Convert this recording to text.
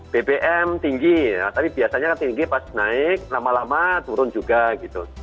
bbm tinggi ya tapi biasanya kan tinggi pas naik lama lama turun juga gitu